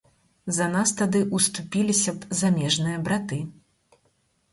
За нас тады ўступіліся б замежныя браты.